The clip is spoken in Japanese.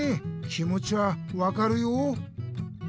きもちは分かるよ！